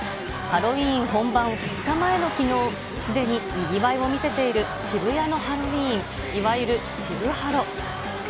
ハロウィーン本番２日前のきのう、すでににぎわいを見せている渋谷のハロウィーン、いわゆる渋ハロ。